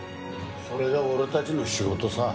それが俺たちの仕事さ。